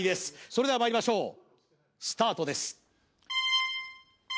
それではまいりましょうスタートです